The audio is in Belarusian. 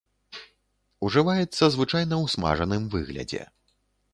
Ужываецца звычайна ў смажаным выглядзе.